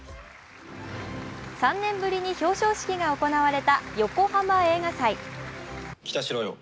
３年ぶりに表彰式が行われたヨコハマ映画祭。